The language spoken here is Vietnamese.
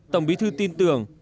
tổng bí thư tin tưởng